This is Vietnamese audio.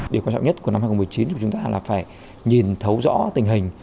điều quan trọng nhất của năm hai nghìn một mươi chín của chúng ta là phải nhìn thấu rõ tình hình